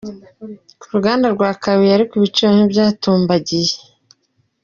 Ku ruganda rwa Kabuye ariko ibiciro ntibyatumbagiye.